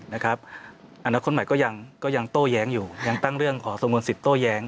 อนาคตใหม่ก็ยังโต้แย้งอยู่ยังตั้งเรื่องขอสงวนสิทธิโต้แย้ง